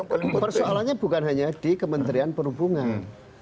persoalannya bukan hanya di kementerian perhubungan